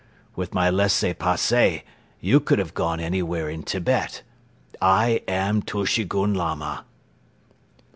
With my laissez passer you could have gone anywhere in Tibet. I am Tushegoun Lama."